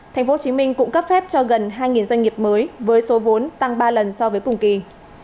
tp hcm cũng cấp phép cho gần hai doanh nghiệp mới với số vốn tăng ba lần so với cùng kỳ